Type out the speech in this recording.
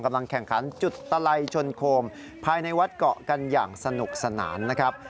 กำลังแข่งขันจุดตะไลชนโคมภายในวัดเกาะกันอย่างสนุกสนานนะครับ